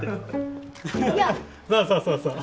そうそうそうそう。